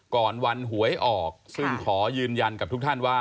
ก่อนวันหวยออกซึ่งขอยืนยันกับทุกท่านว่า